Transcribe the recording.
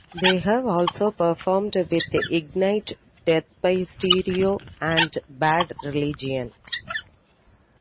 They have also performed with Ignite, Death By Stereo, and Bad Religion.